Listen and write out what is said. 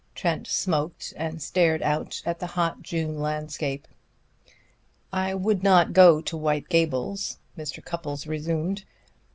Trent smoked and stared out at the hot June landscape. "I would not go to White Gables," Mr. Cupples resumed.